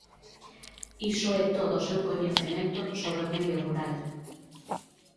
Iso é todo o seu coñecemento sobre o medio rural.